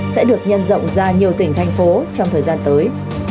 sẽ được nhân rộng ra nhiều tỉnh thành phố trong thời gian tới